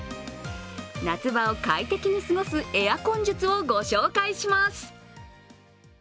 夏場を快適に過ごすエアコン術をご紹介します。